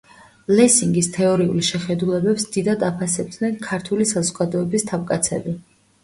ლესინგის თეორიული შეხედულებებს დიდად აფასებდნენ ქართული საზოგადოების თავკაცები.